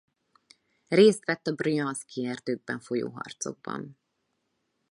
Részt vett a brjanszki erdőkben folyó harcokban.